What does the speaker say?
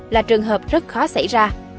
là trường hợp rất khó xảy ra